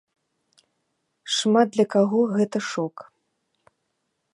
Шмат для каго гэта шок!